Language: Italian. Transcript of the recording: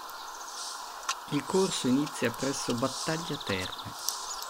Il corso inizia presso Battaglia Terme.